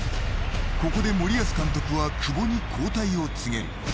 ここで森保監督は久保に交代を告げる。